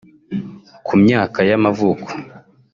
ku myaka y’amavuko